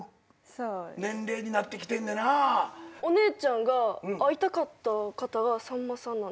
お姉ちゃんが会いたかった方がさんまさんなんですよ。